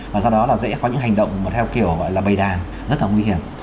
và do đó là dễ có những hành động mà theo kiểu gọi là bày đàn rất là nguy hiểm